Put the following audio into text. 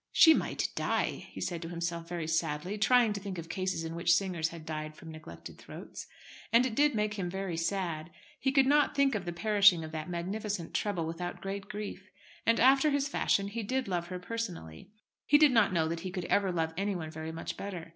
"She might die," he said to himself very sadly, trying to think of cases in which singers had died from neglected throats. And it did make him very sad. He could not think of the perishing of that magnificent treble without great grief; and, after his fashion, he did love her personally. He did not know that he could ever love anyone very much better.